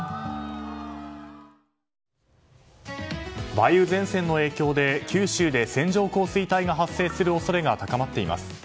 梅雨前線の影響で九州で線状降水帯が発生する恐れが高まっています。